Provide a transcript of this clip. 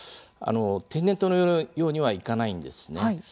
天然痘のようにはいかないんです。